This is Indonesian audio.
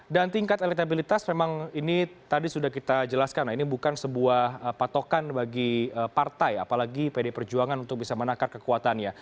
dan tingkat elektabilitas memang ini tadi sudah kita jelaskan ini bukan sebuah patokan bagi partai apalagi pd perjuangan untuk bisa menakar kekuatannya